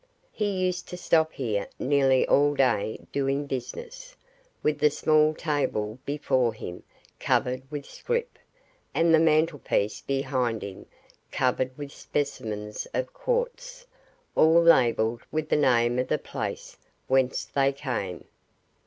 He used to stop here nearly all day doing business, with the small table before him covered with scrip, and the mantelpiece behind him covered with specimens of quartz, all labelled with the name of the place whence they came.